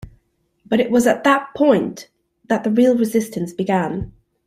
But it was at that point that the real resistance began.